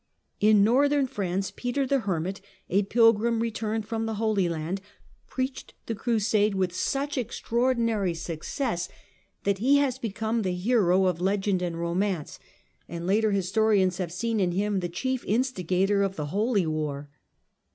In northern France Peter the Hermit, a pilgrim returned from Peter the the Holy Land, preached the Crusade with such ^^^^ extraordinary success that he has become the hero of legend and romance, and later historians have seen in him the chief instigator of the Holy War.